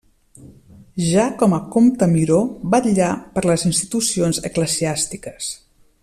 Ja com a comte Miró vetllà per les institucions eclesiàstiques.